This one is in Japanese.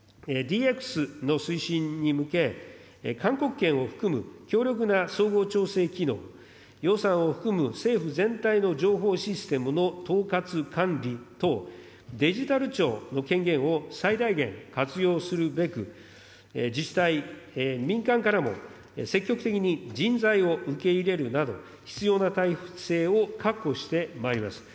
ＤＸの推進に向け、勧告権を含む強力な総合調整機能、予算を含む政府全体の情報システムの統括管理等、デジタル庁の権限を最大限活用するべく、自治体、民間からも積極的に人材を受け入れるなど、必要な体制を確保してまいります。